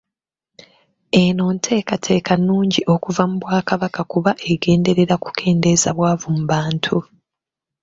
Eno nteekateeka nnungi okuva mu Bwakabaka kuba egenderera kukendeeza bwavu mu bantu.